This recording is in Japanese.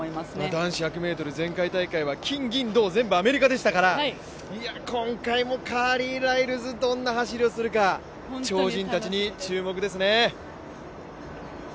男子１００ｍ、前回大会は金銀銅全部アメリカでしたから、今回もカーリー、ライルズ、どんな走りをするか、超人たちに注目ですね。